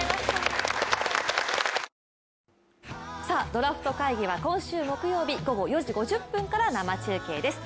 ドラフト会議は今週木曜日午後４時５０分から生中継です。